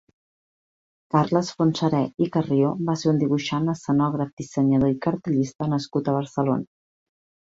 Carles Fontserè i Carrió va ser un dibuixant, escenògraf, dissenyador i cartellista nascut a Barcelona.